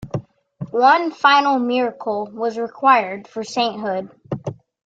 One final miracle was required for sainthood.